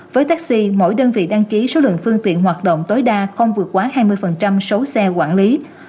với taxi mỗi đơn vị đăng ký số lượng phương tiện hoạt động tối đa không vượt quá hai mươi số xe quản lý